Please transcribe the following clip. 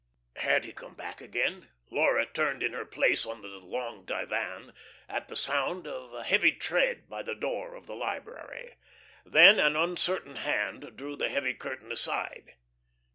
Had he come back again? Laura turned in her place on the long divan at the sound of a heavy tread by the door of the library. Then an uncertain hand drew the heavy curtain aside.